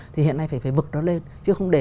thì hiện nay phải vực nó lên chứ không để